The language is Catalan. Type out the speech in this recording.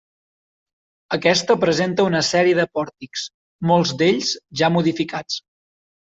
Aquesta presenta una sèrie de pòrtics, molt d'ells ja modificats.